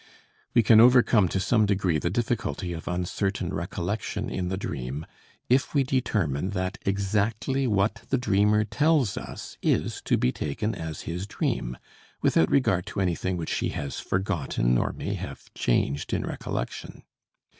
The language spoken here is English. We can overcome to some degree the difficulty of uncertain recollection in the dream if we determine that exactly what the dreamer tells us is to be taken as his dream, without regard to anything which he has forgotten or may have changed in recollection.